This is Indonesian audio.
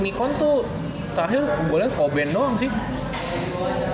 nikon tuh terakhir gua liat koben doang sih